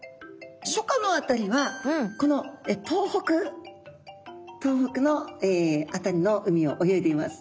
初夏の辺りはこの東北東北の辺りの海を泳いでいます。